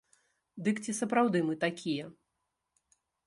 Дык ці сапраўды мы такія?